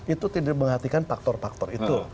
itu tidak menghartikan faktor faktor itu